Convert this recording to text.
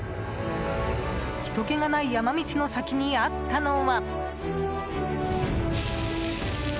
ひと気がない山道の先にあったのは。